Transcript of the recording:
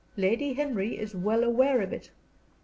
"Lady Henry is well aware of it."